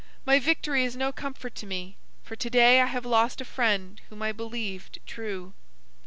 My victory is no comfort to me, for to day I have lost a friend whom I believed true."